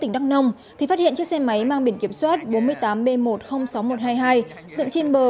tỉnh đắk nông thì phát hiện chiếc xe máy mang biển kiểm soát bốn mươi tám b một trăm linh sáu nghìn một trăm hai mươi hai dựng trên bờ